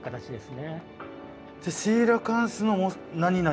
じゃあ「シーラカンスの何々」